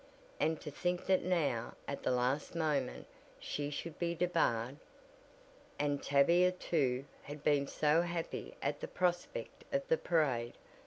And to think that now, at the last moment, she should be debarred! And Tavia too, had been so happy at the prospect of the parade.